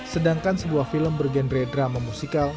sedangkan sebuah film bergenre drama musikal